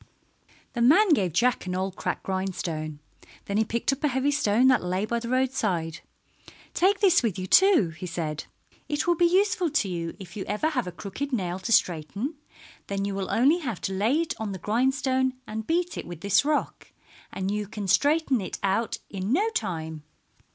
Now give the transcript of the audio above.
The man gave Jack an old cracked grindstone. Then he picked up a heavy stone that lay by the roadside. "Take this with you, too," he said. "It will be useful to you if you ever have a crooked nail to straighten. Then you will only have to lay it on the grindstone and beat it with this rock, and you can straighten it out in no time."